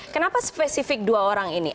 kenapa spesifik dua orang ini